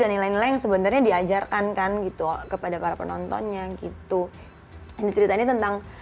dan lain lain yang sebenarnya diajarkan kan gitu kepada para penontonnya gitu cerita ini tentang